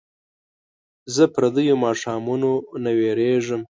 زه پردیو ماښامونو نه ویرېږم